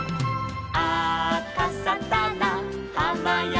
「あかさたなはまやらわ」